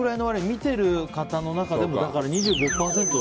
見てる方の中でも２５％。